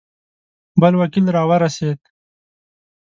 بل وکیل را ورسېد.